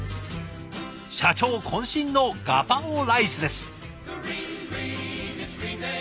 社長こん身のガパオライスです。